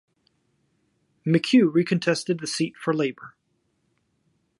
McKew recontested the seat for Labor.